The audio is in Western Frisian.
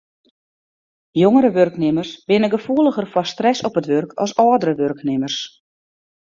Jongere wurknimmers binne gefoeliger foar stress op it wurk as âldere wurknimmers.